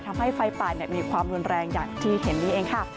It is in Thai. ทำให้ไฟป่ามีความรุนแรงอย่างที่เห็นนี้เองค่ะ